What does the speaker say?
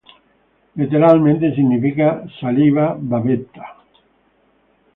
Letteralmente significa "saliva", "bavetta".